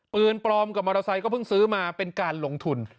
ปืนปลอมกับมอเตอร์ไซค์ก็เพิ่งซื้อมาเป็นการลงทุน